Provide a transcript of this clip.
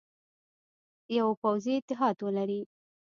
یوه پوځي اتحاد ولري.